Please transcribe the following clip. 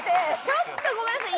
ちょっとごめんなさい。